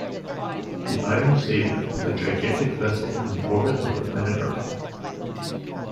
The Iron Savior is a gigantic vessel in the orbit of the planet Earth.